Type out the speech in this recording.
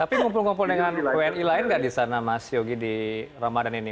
tapi ngumpul ngumpul dengan wni lain nggak di sana mas yogi di ramadan ini